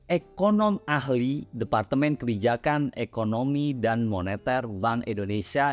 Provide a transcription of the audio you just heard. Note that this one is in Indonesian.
ekonom ahli departemen kebijakan ekonomi dan moneter bank indonesia